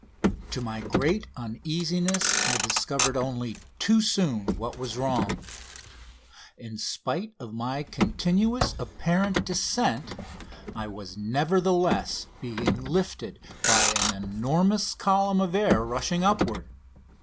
To my great uneasiness I discovered only too soon what was wrong. In spite of my continuous apparent descent I was, nevertheless, being lifted by an enormous column of air rushing upward.